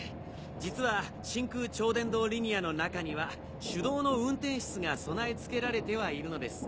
実は真空超電導リニアの中には手動の運転室が備え付けられてはいるのです。